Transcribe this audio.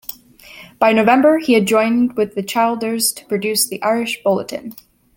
By November he had joined with Childers to produce the Irish Bulletin.